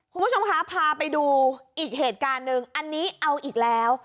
คุณผู้ชมคะพาไปดูอีกเหตุการณ์หนึ่งอันนี้เอาอีกแล้ว